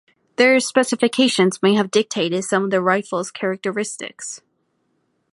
Their specifications may have dictated some of the rifle's characteristics.